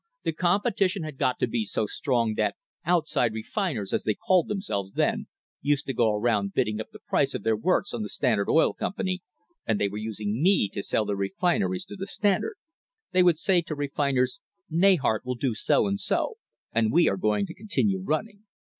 The competition had got to be so strong that 'outside refiners,' as they called them selves then, used to go around bidding up the price of their | works on the Standard Oil Company, and they were using me to sell their refineries to the Standard. They would say I to refiners: 'Neyhart will do so and so, and we are going to continue running.'